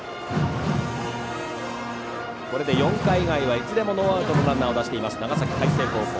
これで４回以外はいずれもノーアウトのランナーを出しています長崎・海星高校。